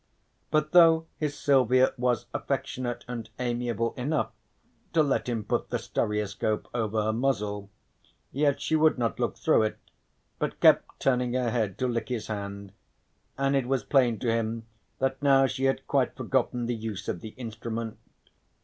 But though his Silvia was affectionate and amiable enough to let him put the stereoscope over her muzzle, yet she would not look through it, but kept turning her head to lick his hand, and it was plain to him that now she had quite forgotten the use of the instrument.